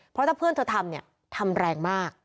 เพราะถ้าเพื่อนเธอทำเนี่ยทำทำแรงมาก